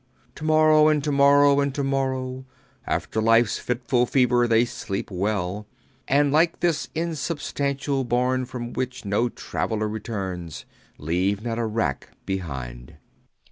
To morrow and to morrow and to morrow After life's fitful fever they sleep well And like this insubstantial bourne from which No traveller returns Leave not a wrack behind.